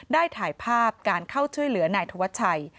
ได้ถ่ายภาพการเข้าช่วยเหลือนายธวัชชัย